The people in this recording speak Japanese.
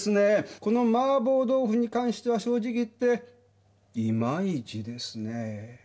この麻婆豆腐に関しては正直言って今いちですねえ。